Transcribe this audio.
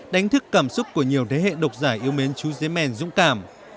đánh thức cảm xúc của nhiều thế hệ độc giải yêu mến chú giấy mèn dũng cảm